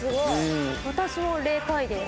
私も。